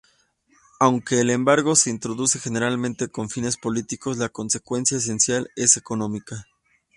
Aunque el embargo se introduce generalmente con fines políticos, la consecuencia esencial es económica.